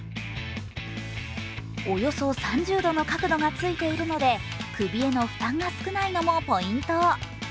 およそ３０度の角度がついているので首への負担が少ないのもポイント。